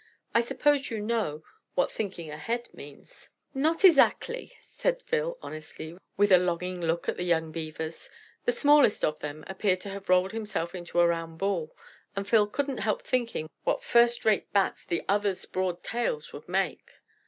I suppose you know what 'thinking ahead' means?" "Not ezzactly," said Phil honestly, with a longing look at the young Beavers. The smallest of them appeared to have rolled himself into a round ball, and Phil couldn't help thinking what first rate bats the others' broad tails would make.